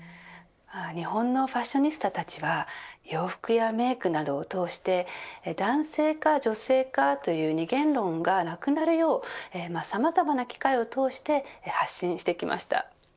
日本のファッショニスタたちは洋服やメークなどを通して男性か女性かという二元論がなくなるようさまざまな機会を通して発信してきました。